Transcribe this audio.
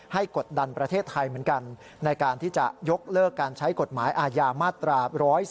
กดดันประเทศไทยเหมือนกันในการที่จะยกเลิกการใช้กฎหมายอาญามาตรา๑๔